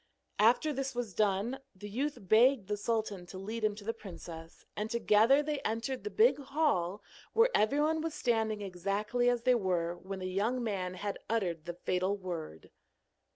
After this was done, the youth begged the sultan to lead him to the princess, and together they entered the big hall, where everyone was standing exactly as they were when the young man had uttered the fatal word.